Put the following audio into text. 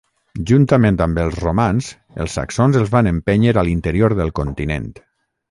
Juntament amb els romans, els saxons els van empènyer a l'interior del continent.